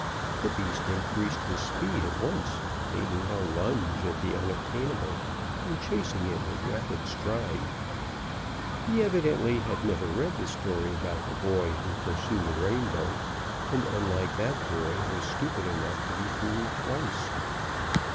The beast increased his speed at once, making a lunge at the unobtainable, and chasing it with rapid stride. He evidently had never read the story about the boy who pursued a rainbow, and unlike that boy, was stupid enough to be fooled twice.